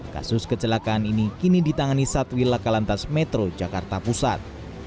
kasus kecelakaan ini kini ditangani satwil lakalantas metro jakarta pusat